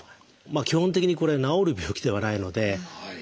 基本的にこれ治る病気ではないので。